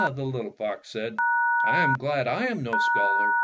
the little fox said, "I am glad that I am no scholar."